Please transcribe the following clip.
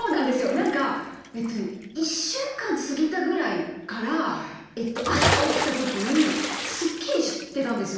何か１週間過ぎたぐらいから朝起きた時にすっきりしてたんですよ。